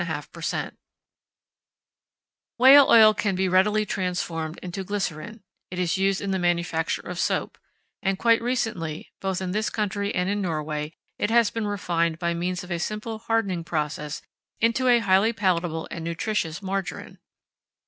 £65 """"""" £63 """"""" Whale oil can be readily transformed into glycerine: it is used in the manufacture of soap, and quite recently, both in this country and in Norway, it has been refined by means of a simple hardening process into a highly palatable and nutritious margarine.